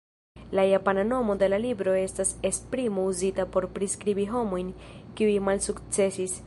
La japana nomo de la libro estas esprimo uzita por priskribi homojn kiuj malsukcesis.